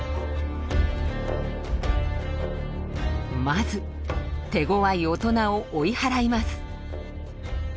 まず手ごわい大人を追い払います。